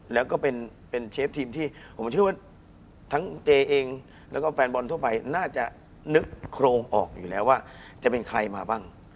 แล้วก็เป็นเชฟทีมที่ผมเชื่อว่าทั้งเจเองแล้วก็แฟนบอลทั่วไปน่าจะนึกโครงออกอยู่แล้วว่าจะเป็นใครมาบ้าง